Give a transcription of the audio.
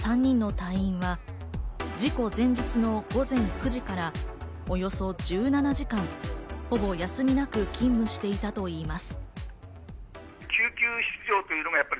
横転した救急車に乗っていた３人の隊員は、事故前日の午前９時からおよそ１７時間、ほぼ休みなく勤務していたといいます。